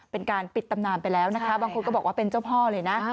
เป็นการปิดตำนานไปแล้วนะคะบางคนก็บอกว่าเป็นเจ้าพ่อเลยนะ